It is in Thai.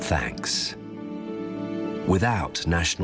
ใช่ใช่